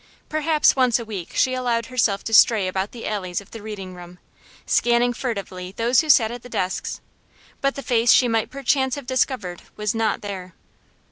Perhaps once a week she allowed herself to stray about the alleys of the Reading room, scanning furtively those who sat at the desks, but the face she might perchance have discovered was not there.